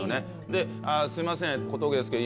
で「すいません小峠ですけど」